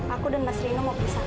aku dan mas rino mau pisah